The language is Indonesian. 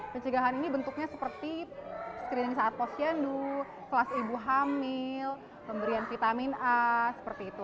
pencegahan ini bentuknya seperti screening saat posyendu kelas ibu hamil pemberian vitamin a seperti itu